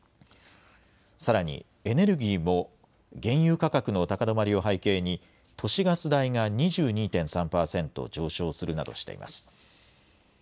さらにエネルギーも、原油価格の高止まりを背景に、都市ガス代が２２．３％上昇するなどしています。